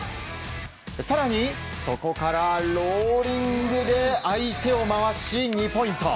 更に、そこからローリングで相手を回し２ポイント。